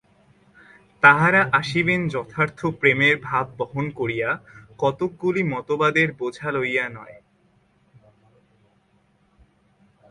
তাঁহারা আসিবেন যথার্থ প্রেমের ভাব বহন করিয়া, কতকগুলি মতবাদের বোঝা লইয়া নয়।